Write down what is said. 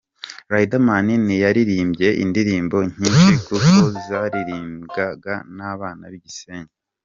Riderman ntiyaririmbye indirimbo nyinshi kuko zaririmbwaga n'abana b'i Gisenyi.